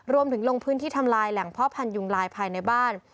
ลงพื้นที่ทำลายแหล่งพ่อพันธุงลายภายในบ้าน